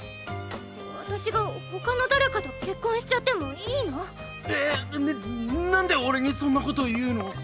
私が他の誰かと結婚しちゃってもいいの⁉えっ⁉ななんで俺にそんなこと言うの⁉